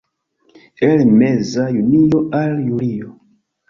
El meza junio al julio.